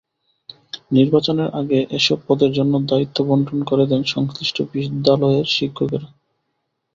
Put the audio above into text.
নির্বাচনের আগে এসব পদের জন্য দায়িত্ব বণ্টন করে দেন সংশ্লিষ্ট বিদ্যালয়ের শিক্ষকেরা।